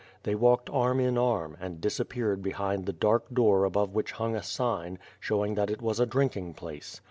They walked arm in arm, and disappeared behind the dark door above which hung a sign, showing that it was a drinking place.